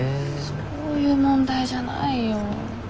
そういう問題じゃないよ。